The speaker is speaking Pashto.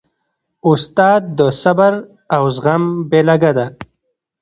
استاد د صبر او زغم بېلګه ده.